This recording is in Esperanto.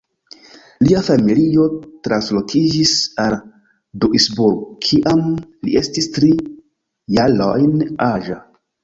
Lia familio translokiĝis al Duisburg kiam li estis tri jarojn aĝa.